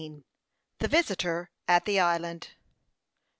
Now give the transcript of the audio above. THE VISITOR AT THE ISLAND.